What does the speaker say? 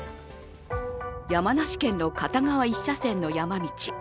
山梨県の片側一車線の山道。